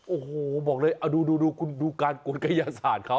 โอ้โหบอกเลยดูการกวนกระยาศาสตร์เขา